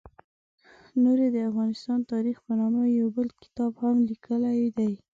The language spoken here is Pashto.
نوري د افغانستان تاریخ په نامه یو بل کتاب هم لیکلی دی.